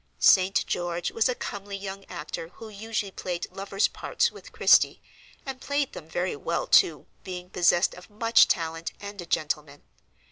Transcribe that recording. St. George was a comely young actor who usually played lovers' parts with Christie, and played them very well, too, being possessed of much talent, and a gentleman.